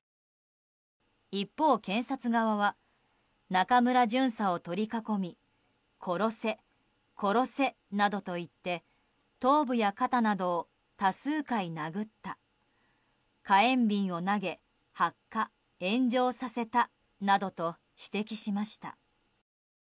一方、検察側は中村巡査を取り囲み殺せ、殺せなどと言って頭部や肩などを多数回殴った火炎瓶を投げ発火・炎上させたなどと指摘しました。